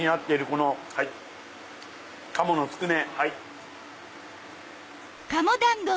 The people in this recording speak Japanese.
この鴨のつくね。